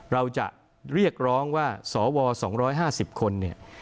เราจะเรียกร้องว่าสว๒๕๐คนเนี่ย